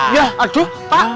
yah aduh pak